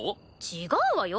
違うわよ！